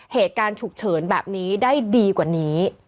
เหตุการณ์ฉุกเฉินแบบนี้ได้ดีกว่านี้